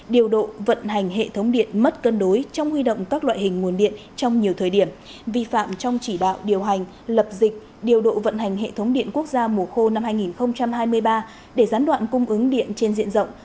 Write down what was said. điều độ vận hành hệ thống điện mất cân đối trong huy động các loại hình nguồn điện trong nhiều thời điểm vi phạm trong chỉ đạo điều hành lập dịch điều độ vận hành hệ thống điện quốc gia mùa khô năm hai nghìn hai mươi ba để gián đoạn cung ứng điện trên diện rộng